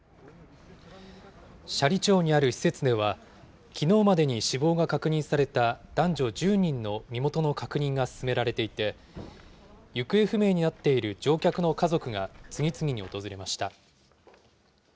斜里町にある施設では、きのうまでに死亡が確認された、男女１０人の身元の確認が進められていて、行方不明になっている乗客の家族が次々に訪れました。